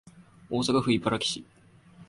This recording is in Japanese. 大阪府茨木市